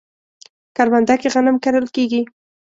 کرونده کې غنم کرل کیږي